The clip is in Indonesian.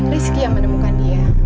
rizky yang menemukan dia